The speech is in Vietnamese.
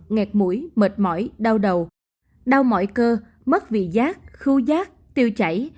nghẹt mũi mệt mỏi đau đầu đau mỏi cơ mất vị giác khu giác tiêu chảy